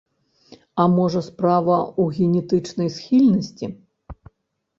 А можа, справа ў генетычнай схільнасці?